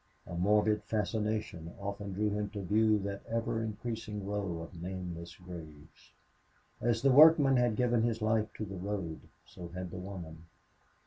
A morbid fascination often drew him to view that ever increasing row of nameless graves. As the workman had given his life to the road, so had the woman.